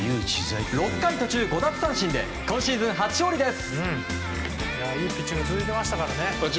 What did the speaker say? ６回途中５奪三振で今シーズン初勝利です。